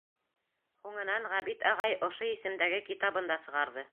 Һуңынан Ғәбит ағай ошо исемдәге китабын да сығарҙы.